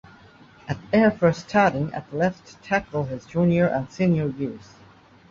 At Air Force starting at left tackle his junior and senior years.